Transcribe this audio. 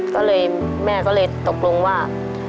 ก็เลยแม่ก็เลยตกลงว่า